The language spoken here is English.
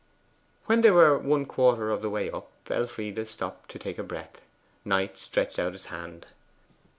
When they were one quarter of the way up, Elfride stopped to take breath. Knight stretched out his hand.